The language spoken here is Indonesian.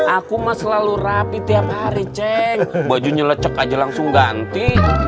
aku mah selalu rapi tiap hari cek bajunya lecek aja langsung ganti